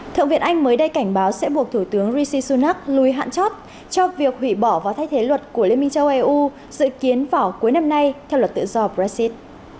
thượng viện anh mới đây cảnh báo sẽ buộc thủ tướng rishi sunak lùi hạn chót cho việc hủy bỏ và thay thế luật của liên minh châu eu dự kiến vào cuối năm nay theo luật tự do brexit